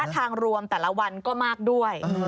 ทางรวมแต่ละวันก็มากด้วย